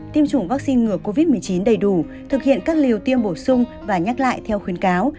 tiêm chủng vaccine ngừa covid một mươi chín đầy đủ thực hiện các liều tiêm bổ sung và nhắc lại theo khuyến cáo